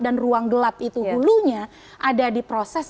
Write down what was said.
ruang gelap itu hulunya ada di proses